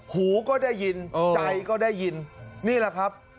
หูก็ได้ยินใจก็ได้ยินนี่แหละครับ